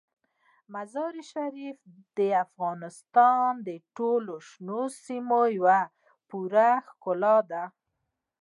مزارشریف د افغانستان د ټولو شنو سیمو یوه پوره ښکلا ده.